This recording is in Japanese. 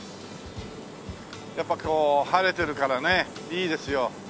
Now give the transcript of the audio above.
やっぱこう晴れてるからねいいですよ。